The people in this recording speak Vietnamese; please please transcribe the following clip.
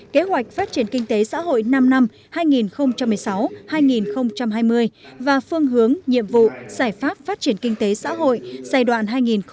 kế hoạch phát triển kinh tế xã hội năm năm hai nghìn một mươi sáu hai nghìn hai mươi và phương hướng nhiệm vụ giải pháp phát triển kinh tế xã hội giai đoạn hai nghìn hai mươi một hai nghìn hai mươi năm